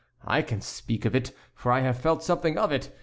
I can speak of it, for I have felt something of it.